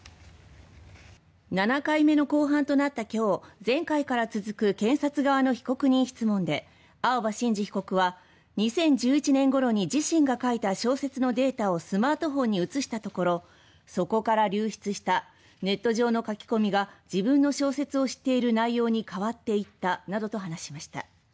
７回目の公判となった今日前回から続く検察側の被告人質問で青葉真司被告は２０１１年ごろに自身が書いた小説のデータをスマートフォンに移したところそこから流出したネット上の書き込みが自分の小説を知っている内容に変わっていったなどと話しました。